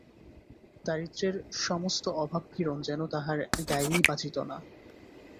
দারিদ্র্যের সমস্ত অভাবপীড়ন যেন তাঁহার গায়েই বাজিত না।